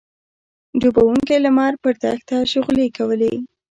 ډوبېدونکی لمر پر دښته شغلې کولې.